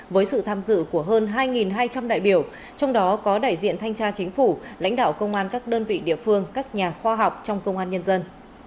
với sự tham dự của hơn hai hai trăm linh đại biểu trong đó có đại diện thanh tra chính phủ lãnh đạo công an các đơn vị địa phương các nhà khoa học trong công an nhân dân